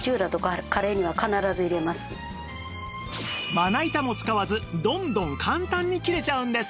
まな板も使わずどんどん簡単に切れちゃうんです